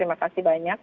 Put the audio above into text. terima kasih banyak